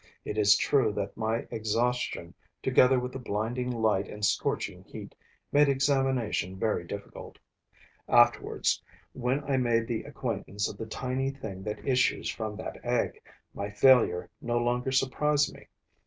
It is true that my exhaustion, together with the blinding light and scorching heat, made examination very difficult. Afterwards, when I made the acquaintance of the tiny thing that issues from that egg, my failure no longer surprised me.